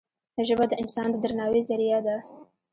ژبه د انسان د درناوي زریعه ده